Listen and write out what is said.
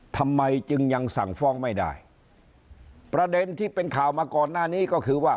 ทำไมจึงยังสั่งฟ้องไม่ได้ประเด็นที่เป็นข่าวมาก่อนหน้านี้ก็คือว่า